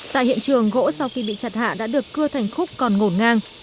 tại hiện trường gỗ sau khi bị chặt hạ đã được cưa thành khúc còn ngổn ngang